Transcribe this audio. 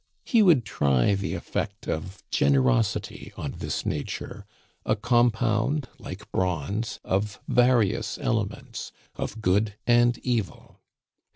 He would try the effect of generosity on this nature, a compound, like bronze, of various elements, of good and evil.